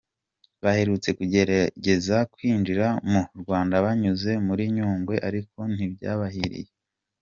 Baherutse kugerageza kwinjira mu Rwanda banyuze muri Nyungwe ariko ntibyabahiriye.